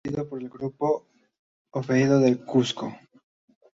Es dirigido por el Grupo Oviedo del Cusco.